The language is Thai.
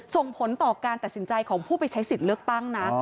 ส่งผลต่อการตัดสินใจของผู้ไปใช้สิทธิ์เลือกตั้งนะ